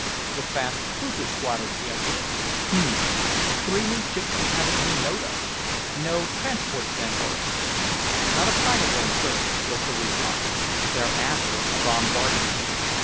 "The fast cruiser squadron," he observed. "Hm! Three new ships we haven't any note of. No transports, then, Horridge?'" "Not a sign of one, sir," was the reply. "They're after a bombardment."